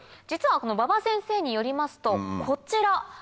実は馬場先生によりますとこちら。